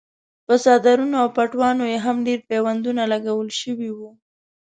په څادرونو او پټوانو یې هم ډېر پیوندونه لګول شوي وو.